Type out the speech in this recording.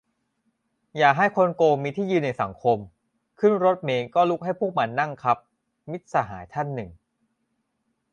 "อย่าให้คนโกงมีที่ยืนในสังคม ขึ้นรถเมล์ก็ลุกให้พวกมันนั่งคับ" - มิตรสหายท่านหนึ่ง